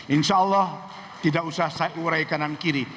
insyaallah tidak usah saya urai kanan kiri